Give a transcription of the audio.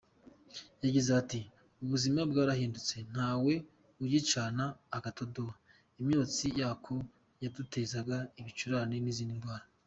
Yagize ati“Ubuzima bwarahindutse, ntawe ugicana agatadowa, imyotsi yako yadutezaga ibicurane n’izindi ndwara.